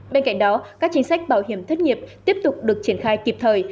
bên cạnh đó các chính sách bảo hiểm thất nghiệp tiếp tục được triển khai kịp thời